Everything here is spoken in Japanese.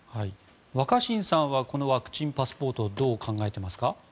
若新さんはこのワクチンパスポートをどう考えていますか。